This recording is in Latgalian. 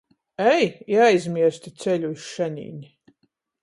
Ej i aizmiersti ceļu iz šenīni!